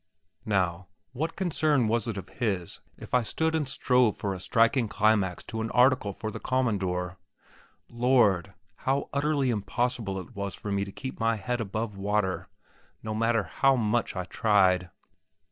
Now, what concern was it of his if I stood and strove for a striking climax to an article for the Commandor? Lord, how utterly impossible it was for me to keep my head above water, no matter how much I tried!